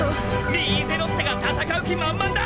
リーゼロッテが戦う気満々だ！